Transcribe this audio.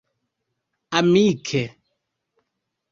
amike